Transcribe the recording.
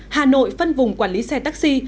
hà nội phân vùng quản lý xe taxi